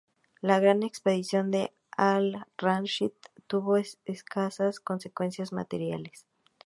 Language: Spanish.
La gran expedición de al-Rashid tuvo escasas consecuencias materiales.